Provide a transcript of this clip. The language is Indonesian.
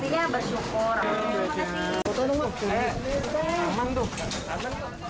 yang pastinya bersyukur